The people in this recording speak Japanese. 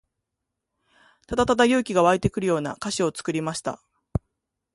ただただ勇気が湧いてくるような歌詞を作りました。